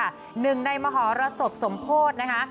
หนึ่งในมหรสบสมโพธินะคะ